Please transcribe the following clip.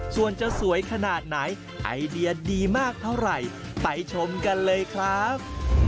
ส่วนจะสวยขนาดไหนไอเดียดีมากเท่าไหร่ไปชมกันเลยครับ